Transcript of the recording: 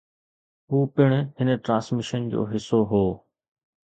هو پڻ هن ٽرانسميشن جو حصو هو